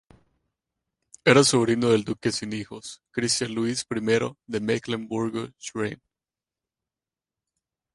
Era sobrino del duque sin hijos Cristián Luis I de Mecklemburgo-Schwerin.